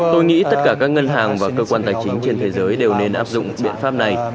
tôi nghĩ tất cả các ngân hàng và cơ quan tài chính trên thế giới đều nên áp dụng biện pháp này